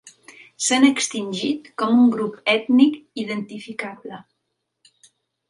S'han extingit com un grup ètnic identificable.